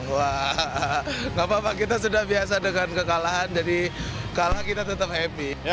wah nggak apa apa kita sudah biasa dengan kekalahan jadi kalah kita tetap happy